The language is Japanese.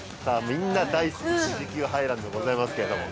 みんな大好き富士急ハイランドでございますけれども。